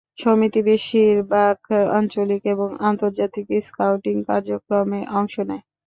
সমিতি বেশিরভাগ আঞ্চলিক এবং আন্তর্জাতিক স্কাউটিং কার্যক্রমে অংশ নেয়।